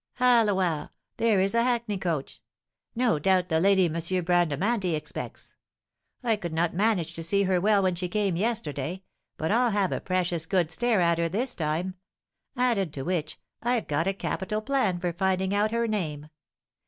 Halloa, there is a hackney coach! No doubt, the lady M. Bradamanti expects; I could not manage to see her well when she came yesterday, but I'll have a precious good stare at her this time; added to which, I've got a capital plan for finding out her name.